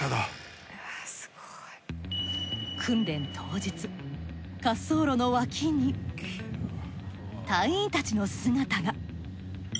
すごい。訓練当日滑走路の脇に隊員たちの姿が。